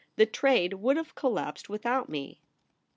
The trade would have collapsed without me.'